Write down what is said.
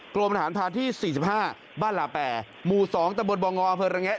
กลมทหารพาที่สี่สิบห้าบ้านลาแปรหมู่สองตระบวนบอลงอเผินรังแงะ